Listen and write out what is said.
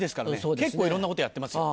結構いろんなことやってますよ。